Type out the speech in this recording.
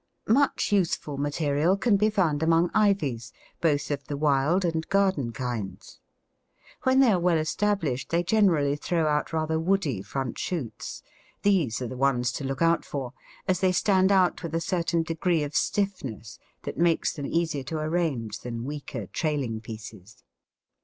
Much useful material can be found among Ivies, both of the wild and garden kinds. When they are well established they generally throw out rather woody front shoots; these are the ones to look out for, as they stand out with a certain degree of stiffness that makes them easier to arrange than weaker trailing pieces.